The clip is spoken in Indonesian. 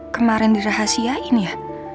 kemarin dirahasiain ya